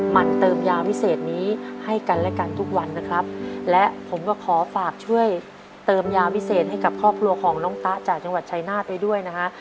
มันเติมยาวิเศษนี้ให้กันและกันทุกวันนะครับและผมก็ขอฝากช่วยเติมยาวิเศษให้กับครอบครัวของน้องตะจากจังหวัดชายนาฏไว้ด้วยนะฮะ